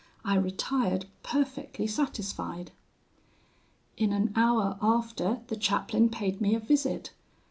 I retired perfectly satisfied. "In an hour after, the chaplain paid me a visit.